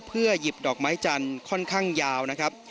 เพื่อหยิบดอกไม้จันทร์ค่อนข้างยาวนะครับ